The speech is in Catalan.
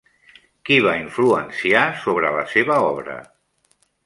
Qui va influenciar sobre la seva obra?